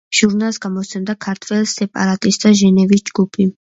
ჟურნალს გამოსცემდა „ქართველ სეპარატისტთა ჟენევის ჯგუფი“.